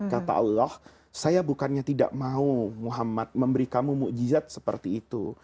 kata allah saya bukannya tidak mau muhammad memberi kamu ⁇ mujizat seperti itu